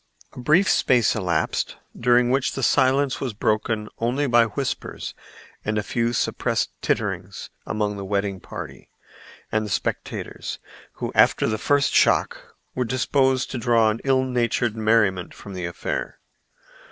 A brief space elapsed, during which the silence was broken only by whispers and a few suppressed titterings among the wedding party and the spectators, who after the first shock were disposed to draw an ill natured merriment from the affair.